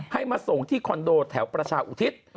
ให้มาส่งที่คอนโดแถวประชาอุทิศ